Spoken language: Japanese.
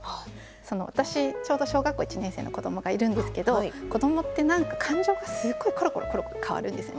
私ちょうど小学校１年生の子どもがいるんですけど子どもって何か感情がすごいコロコロコロコロ変わるんですね。